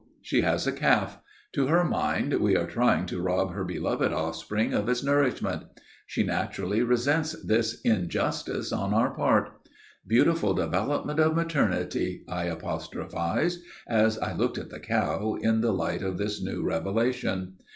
She has a calf. To her mind, we are trying to rob her beloved offspring of its nourishment. She naturally resents this injustice on our part. Beautiful development of maternity,' I apostrophized, as I looked at the cow in the light of this new revelation.